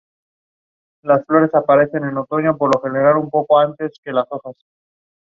However, that name does not appear on the title screen or cover art.